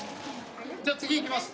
じゃ次いきます。